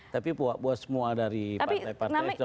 tapi buat semua dari partai partai itu